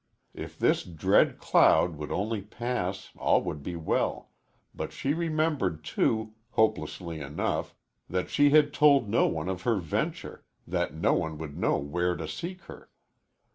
If this dread cloud would only pass, all would be well, but she remembered, too, hopelessly enough, that she had told no one of her venture, that no one would know where to seek her.